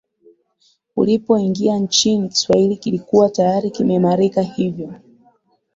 ulipoingia nchini Kiswahili kilikuwa tayari kimeimarika Hivyo